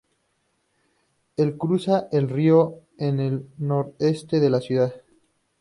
El cruza el río en el nordeste de la ciudad.